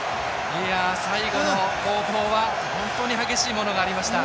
最後の攻防は本当に激しいものがありました。